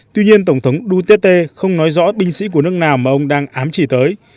tuy nhiên tổng thống duterte không nói rõ binh sĩ của nước nào mà ông đang ám chỉ tới